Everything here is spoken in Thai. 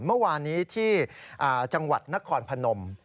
เมื่อวานนี้ที่จังหวัดนครพนม